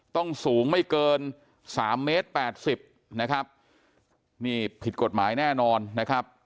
สูงไม่เกินสามเมตรแปดสิบนะครับนี่ผิดกฎหมายแน่นอนนะครับ